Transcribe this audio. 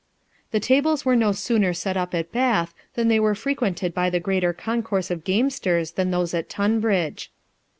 The tables were no sooner set up at Bath, than they were frequented by a greater concourse of gamesters than those at Tunbridge.